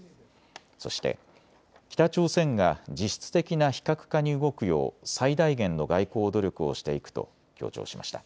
そして北朝鮮が実質的な非核化に動くよう最大限の外交努力をしていくと強調しました。